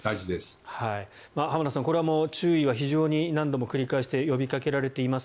浜田さんこれは注意は何度も繰り返して呼びかけられています。